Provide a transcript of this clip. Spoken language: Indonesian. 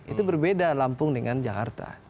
itu berbeda lampung dengan jakarta